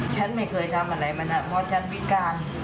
ฉันไม่เคยทำอะไรมันเพราะฉันพิการ